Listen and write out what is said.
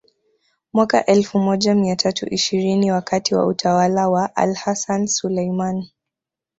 Mwaka elfu moja mia tatu ishirini wakati wa utawala wa AlHassan Sulaiman